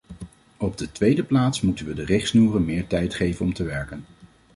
Op de tweede plaats moeten we de richtsnoeren meer tijd geven om te werken.